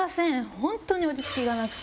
本当に落ち着きがなくて。